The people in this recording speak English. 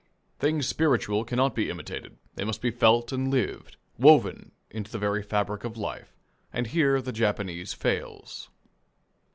Things spiritual cannot be imitated; they must be felt and lived, woven into the very fabric of life, and here the Japanese fails.